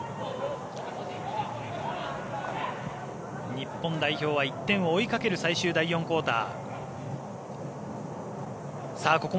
日本は２点を追いかける最終第４クオーター。